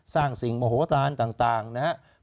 สร้างสิ่งโมโหตานต่างนะครับ